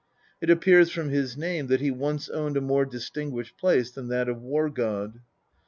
It appears from his name that he once owned a more distinguished place than that of war god.